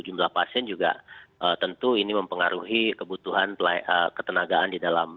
jumlah pasien juga tentu ini mempengaruhi kebutuhan ketenagaan di dalam